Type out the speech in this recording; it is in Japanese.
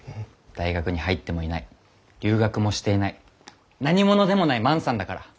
大学に入ってもいない留学もしていない何者でもない万さんだから。